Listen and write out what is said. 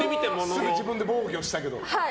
すぐ自分で防御したけど。